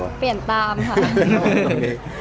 เราก็เปลี่ยนตามค่ะ